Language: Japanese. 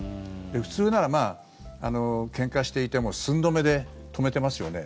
普通なら、けんかしていても寸止めで止めてますよね。